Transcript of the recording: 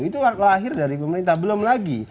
itu lahir dari pemerintah belum lagi